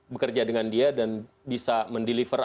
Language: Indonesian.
bekerja dengan dia dan bisa mendeliver